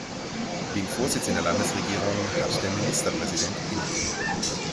Den Vorsitz in der Landesregierung hat der Ministerpräsident inne.